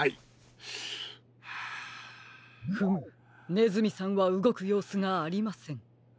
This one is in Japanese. フムねずみさんはうごくようすがありません。